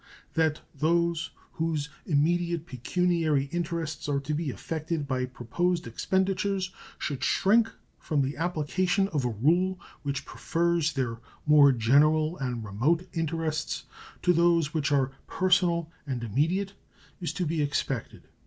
That those whose immediate pecuniary interests are to be affected by proposed expenditures should shrink from the application of a rule which prefers their more general and remote interests to those which are personal and immediate is to be expected.